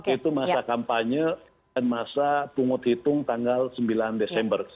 itu masa kampanye dan masa pungut hitung tanggal sembilan desember